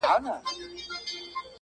• هغه بل پر منبر ستونی وي څیرلی -